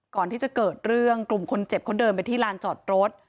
ก่อนที่จะเกิดเรื่องกลุ่มคนเจ็บเขาเดินไปที่ลานจอดรถ